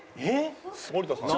森田さん？